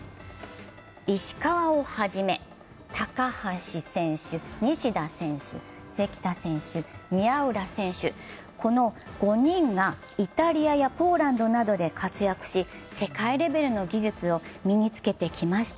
石川をはじめ高橋選手、西田選手関田選手、宮浦選手、この５人がイタリアやポーランドなどで活躍し、世界レベルの技術を身に付けてきました。